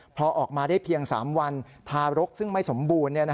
พอออกมาได้เพียง๓วันทารกซึ่งไม่สมบูรณ์